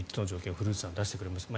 古内さんが出してくれましたが。